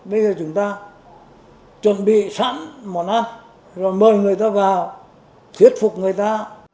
bây giờ chúng ta chuẩn bị sẵn món ăn rồi mời người ta vào thuyết phục người ta